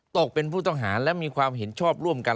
ตกเป็นผู้ต้องหาและมีความเห็นชอบร่วมกัน